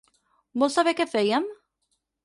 Vols saber què fèiem?